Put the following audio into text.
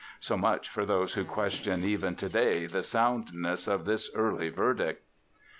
So much for those who question even today the soundness of this early verdict.